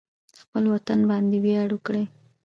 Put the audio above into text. خپل وطن باندې ویاړ وکړئ